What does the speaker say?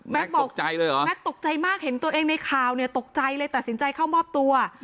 ตกใจเลยเหรอแม็กซตกใจมากเห็นตัวเองในข่าวเนี่ยตกใจเลยตัดสินใจเข้ามอบตัว